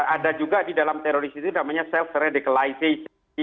ada juga di dalam teroris ini namanya self criticalization